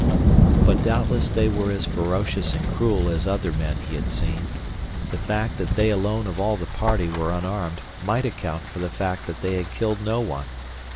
But doubtless they were as ferocious and cruel as other men he had seen. The fact that they alone of all the party were unarmed might account for the fact that they had killed no one.